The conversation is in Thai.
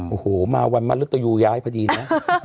โอ้โหวันมารัตตอยู่ย้ายพอดีเนอะ